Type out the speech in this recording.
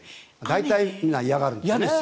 大体みんな嫌がるんです。